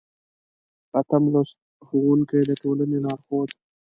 اتلسم لوست: ښوونکی د ټولنې لارښود